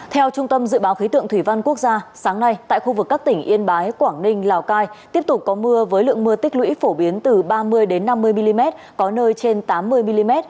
theo trung tâm dự báo khí tượng thủy văn quốc gia sáng nay tại khu vực các tỉnh yên bái quảng ninh lào cai tiếp tục có mưa với lượng mưa tích lũy phổ biến từ ba mươi năm mươi mm có nơi trên tám mươi mm